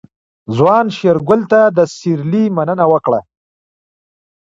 ځوان شېرګل ته د سيرلي مننه وکړه.